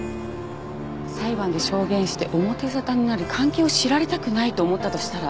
裁判で証言して表沙汰になり関係を知られたくないと思ったとしたら。